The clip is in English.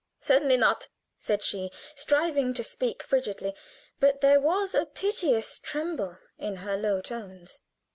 "Certainly not," said she, striving to speak frigidly; but there was a piteous tremble in her low tones.